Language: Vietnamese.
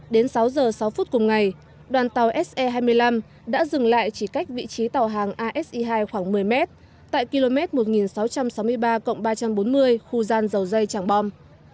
đến sáu giờ sáu phút cùng ngày đoàn tàu se hai mươi năm đã dừng lại chỉ cách vị trí tàu hàng ase hai khoảng một mươi m tại km một nghìn sáu trăm sáu mươi ba ba trăm bốn mươi khu gian dầu dây chẳng bom